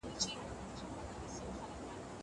زه به اوږده موده کالي وچولي وم.